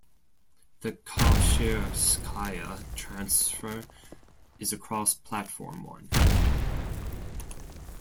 The Kashirskaya transfer is a cross-platform one.